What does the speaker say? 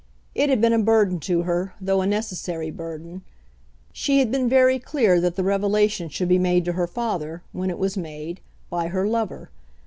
It had been a burden to her, though a necessary burden. She had been very clear that the revelation should be made to her father, when it was made, by her lover.